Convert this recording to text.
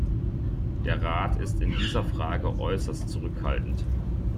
Der Rat ist in dieser Frage äußerst zurückhaltend.